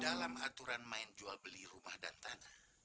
dalam aturan main jual beli rumah dan tanah